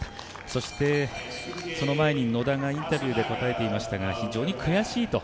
そして、その前に野田がインタビューで答えていましたが、非常に悔しいと。